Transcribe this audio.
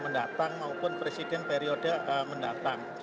mendatang maupun presiden periode mendatang